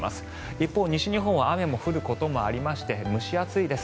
一方、西日本は雨が降ることもありまして蒸し暑いです。